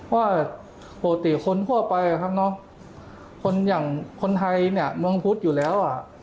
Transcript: ว่าปกติคนทั่วไปคนอย่างคนไทยเนี่ยเมืองพุธอยู่แล้ว